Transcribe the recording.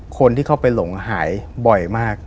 คนที่เข้าไปหลงหายบ่อยมาก